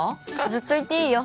ずっといていいよ